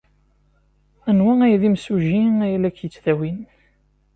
Anwa ay d imsujji ay la k-yettdawin?